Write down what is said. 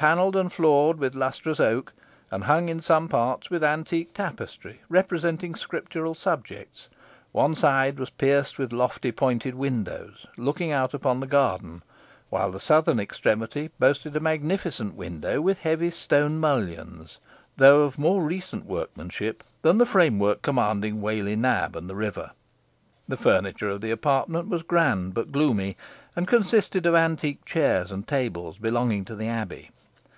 Panelled and floored with lustrous oak, and hung in some parts with antique tapestry, representing scriptural subjects, one side was pierced with lofty pointed windows, looking out upon the garden, while the southern extremity boasted a magnificent window, with heavy stone mullions, though of more recent workmanship than the framework, commanding Whalley Nab and the river. The furniture of the apartment was grand but gloomy, and consisted of antique chairs and tables belonging to the Abbey.